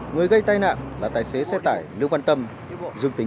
người gây tai nạn là tài xế xe tăng